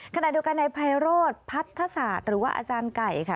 ขณะเดียวกันในไพโรธพัฒศาสตร์หรือว่าอาจารย์ไก่ค่ะ